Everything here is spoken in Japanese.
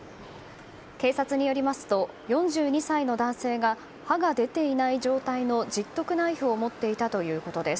警察によりますと４２歳の男性が刃が出ていない状態の十徳ナイフを持っていたということです。